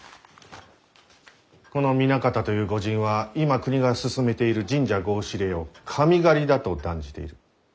この南方という御仁は今国が進めている神社合祀令を「神狩り」だと断じている。